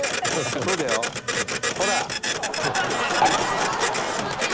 そうだよ。ほら。